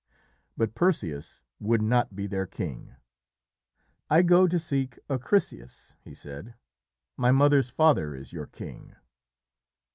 But Perseus would not be their king. "I go to seek Acrisius," he said. "My mother's father is your king."